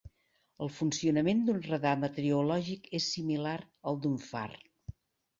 El funcionament d'un radar meteorològic és similar al d'un far.